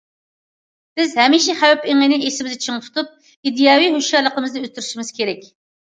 بىز ھەمىشە خەۋپ ئېڭىنى ئېسىمىزدە چىڭ تۇتۇپ، ئىدىيەۋى ھوشيارلىقىمىزنى ئۆستۈرۈشىمىز كېرەك.